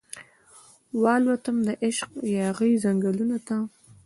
والوتم دعشق یاغې ځنګلونو ته